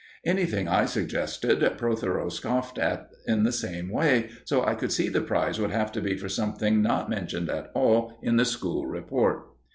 Everything I suggested, Protheroe scoffed at in the same way, so I could see the prize would have to be for something not mentioned at all in the school report.